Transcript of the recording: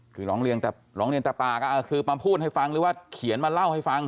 คือร้องเรียนแต่ร้องเรียนแต่ปากก็คือมาพูดให้ฟังหรือว่าเขียนมาเล่าให้ฟัง